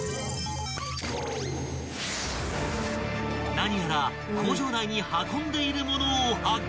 ［何やら工場内に運んでいる物を発見］